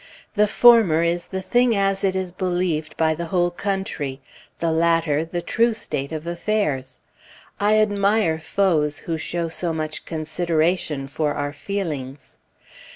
The former is the thing as it is believed by the whole country, the latter the true state of affairs. I admire foes who show so much consideration for our feelings.